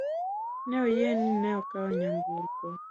Ne oyie ni ne okawo nyamburko.